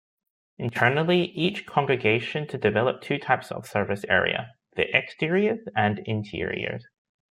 Internally each congregation to develop two types of service area: the exteriors and interiors.